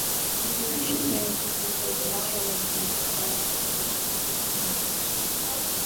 hakuna shaka yoyote kwamba wananchi wamejiandaa kufanya chochote kinachohitajika ili kurejesha utu wao